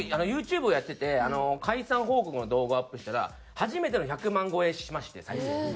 僕ＹｏｕＴｕｂｅをやってて解散報告の動画をアップしたら初めての１００万超えしまして再生回数が。